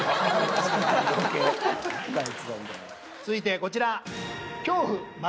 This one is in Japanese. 続いてこちら「恐怖！